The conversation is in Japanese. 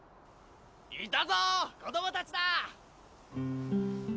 いたぞ子供たちだ！